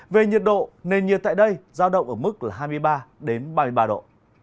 về nhiệt độ nền nhiệt tại đây giao động ở mức là hai mươi ba ba mươi ba độ